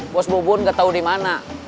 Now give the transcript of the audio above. bos bubun gak tau dimana